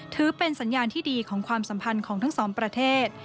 ถือเป็นสัญญาณที่ดีของความสัมพันธ์ของทั้งสองประเทศ